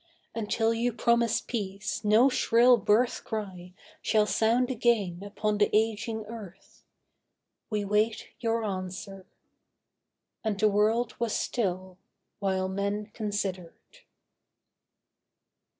Until you promise peace no shrill birth cry Shall sound again upon the aging earth. We wait your answer.' And the world was still While men considered.